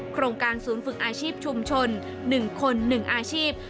โครงการศูนย์ฝึกอาชีพชุมชน๑คน๑อาชีพ